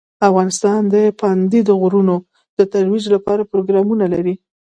افغانستان د پابندي غرونو د ترویج لپاره پروګرامونه لري.